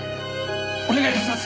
お願い致します！